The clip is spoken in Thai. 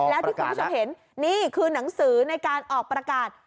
แล้วที่คุณผู้ชมเห็นนี่คือหนังสือในการออกประกาศ